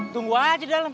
tunggu aja di dalem